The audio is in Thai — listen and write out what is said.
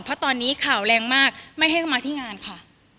เพราะตอนนี้ข่าวแรงมากไม่ให้เข้ามาที่งานค่ะ